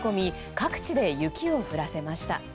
各地で雪を降らせました。